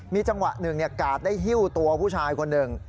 มีจังหวะหนึ่งกาดได้หิ้วตัวผู้ชายคนหนึ่ง